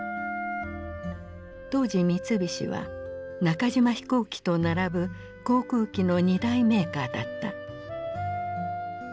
当時三菱は中島飛行機と並ぶ航空機の２大メーカーだった。